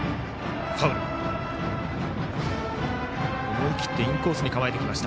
思い切ってインコースに構えてきました。